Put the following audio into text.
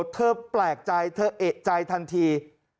แปลกใจเธอเอกใจทันที